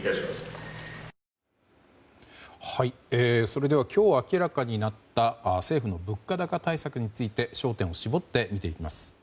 それでは今日明らかになった政府の物価高対策について焦点を絞って見ていきます。